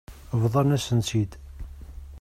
Bḍan-asent-tt-id.